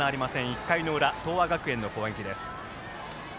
１回の裏、東亜学園の攻撃です。